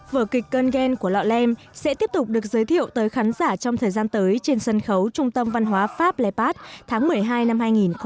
vở kịch cơn gen của lọ lem sẽ tiếp tục được giới thiệu tới khán giả trong thời gian tới trên sân khấu trung tâm văn hóa pháp lê pát tháng một mươi hai năm hai nghìn một mươi bảy